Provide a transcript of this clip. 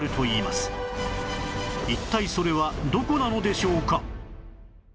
一体それはどこなのでしょうか？